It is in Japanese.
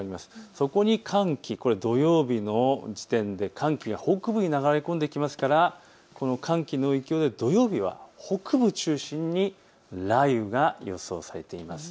そこに寒気、土曜日の時点で寒気が北部に流れ込んできますから寒気の影響で土曜日は北部を中心に雷雨が予想されています。